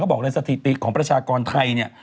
บอกเลยสถิติของประชากรไทยเนี่ย